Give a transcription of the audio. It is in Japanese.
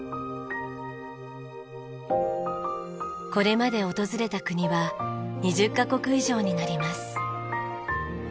これまで訪れた国は２０カ国以上になります。